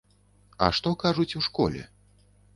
А што кажуць у школе?